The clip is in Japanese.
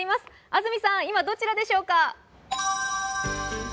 安住さん、今どちらでしょうか。